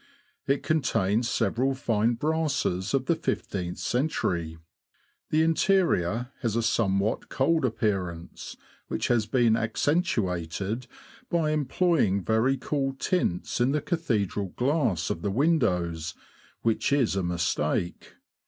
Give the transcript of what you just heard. It contains several fine brasses of the fifteenth century. The interior has a somewhat cold appear ance, which has been accentuated by employing very cool tints in the cathedral glass of the windows, which is a mistake.